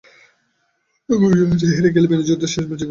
গুঞ্জন আছে, হেরে গেলে বেনিতেজেরও শেষ ম্যাচ হয়ে যেতে পারে এটি।